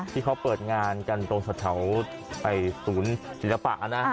ที่เขาเปิดงานกันโตสะเฉาไปศูนย์ศิลปะนะ